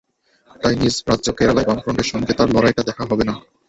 তাই নিজ রাজ্য কেরালায় বামফ্রন্টের সঙ্গে তাঁর লড়াইটা দেখা হবে না।